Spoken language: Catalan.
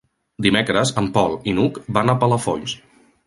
Dimecres en Pol i n'Hug van a Palafolls.